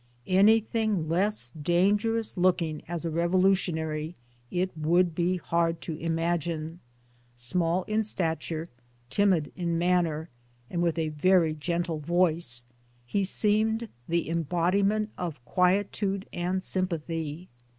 Anything less dangerous looking as a revolutionary it would be hard to imagine. Small in stature, timid in manner, and with a very gentle yoke, he seemed the embodiment of quietude and sympathy.